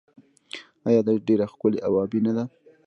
آیا دا ډیره ښکلې او ابي نه ده؟